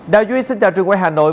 đào duy xin chào trường quay hà nội